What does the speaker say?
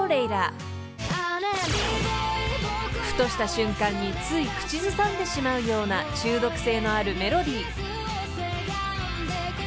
［ふとした瞬間につい口ずさんでしまうような中毒性のあるメロディー］